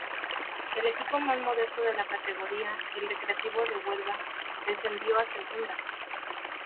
El equipo más modesto de la categoría, el Recreativo de Huelva, descendió a Segunda.